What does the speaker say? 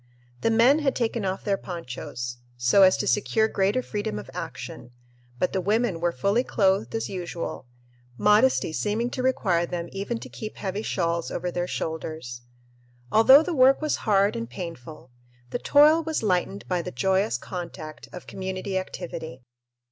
The men had taken off their ponchos, so as to secure greater freedom of action, but the women were fully clothed as usual, modesty seeming to require them even to keep heavy shawls over their shoulders. Although the work was hard and painful, the toil was lightened by the joyous contact of community activity.